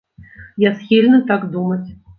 Я схільны так думаць.